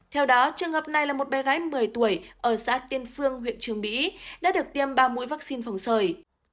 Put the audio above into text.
theo đó trường hợp này là một bé gái một mươi tuổi ở xã tiên phương huyện trường mỹ đã được tiêm ba mũi vaccine phòng sởi